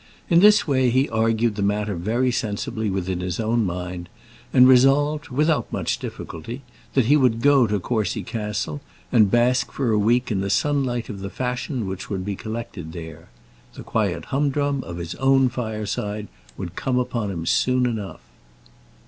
In this way he argued the matter very sensibly within his own mind, and resolved, without much difficulty, that he would go to Courcy Castle, and bask for a week in the sunlight of the fashion which would be collected there. The quiet humdrum of his own fireside would come upon him soon enough!